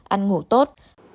ăn ngủ tốt